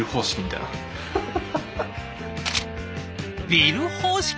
ビル方式？